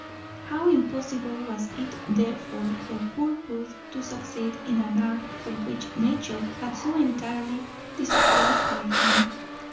How impossible was it therefore for poor Booth to succeed in an art for which nature had so entirely disqualified him.